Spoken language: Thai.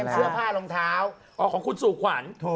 ที่ผ้าลองเท้าอ๋อของคุณสู่ขวัญ